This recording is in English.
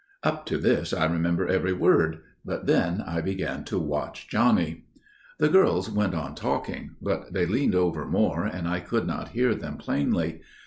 "Up to this I remember every word. But then I began to watch Johnny. "The girls went on talking, but they leaned over more, and I could not hear them plainly.